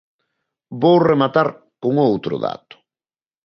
Vou rematar con outro dato.